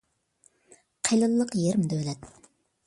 قېلىنلىق يېرىم دۆلەت.